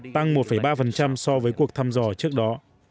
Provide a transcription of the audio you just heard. tăng một ba so với cuộc thăm dò trước đó